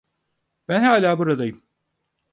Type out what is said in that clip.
Ben hâlâ buradayım.